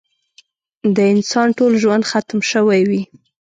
د انسان ټول ژوند ختم شوی وي.